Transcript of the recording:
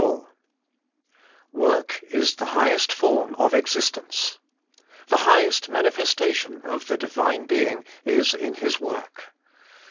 i\170RK is the highest form of exist VV ence.' The highest manifestation of the Divine Being is in His work.